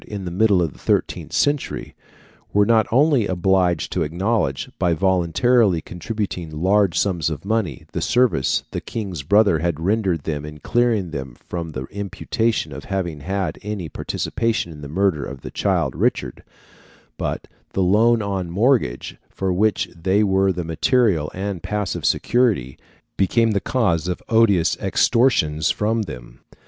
in the middle of the thirteenth century, were not only obliged to acknowledge, by voluntarily contributing large sums of money, the service the King's brother had rendered them in clearing them from the imputation of having had any participation in the murder of the child Richard, but the loan on mortgage, for which they were the material and passive security, became the cause of odious extortions from them.